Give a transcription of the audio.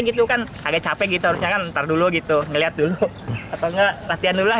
gitu kan agak capek gitu harusnya kan ntar dulu gitu ngeliat dulu atau enggak latihan dulu lah